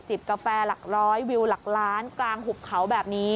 กาแฟหลักร้อยวิวหลักล้านกลางหุบเขาแบบนี้